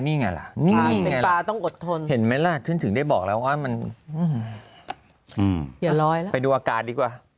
อาหารตาที่เห็นยามเป็นอาหารปลาก็รอยอยู่เต็ม